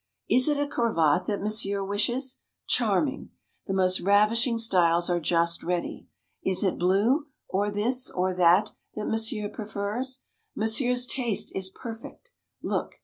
"Is it a cravat that Monsieur wishes? Charming! The most ravishing styles are just ready! Is it blue, or this, or that, that Monsieur prefers? Monsieur's taste is perfect. Look!